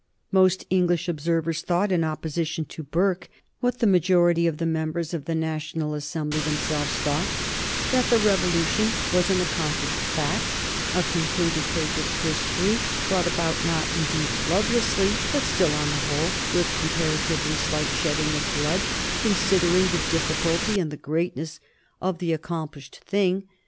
Most English observers thought, in opposition to Burke, what the majority of the members of the National Assembly themselves thought, that the Revolution was an accomplished fact, a concluded page of history, brought about not indeed bloodlessly, but still, on the whole, with comparatively slight shedding of blood, considering the difficulty and the greatness of the accomplished thing.